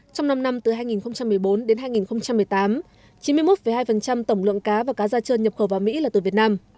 trong năm năm từ hai nghìn một mươi bốn đến hai nghìn một mươi tám chín mươi một hai tổng lượng cá và cá da trơn nhập khẩu vào mỹ là từ việt nam